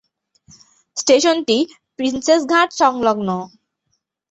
স্টেশনটি প্রিন্সেপ ঘাট সংলগ্ন।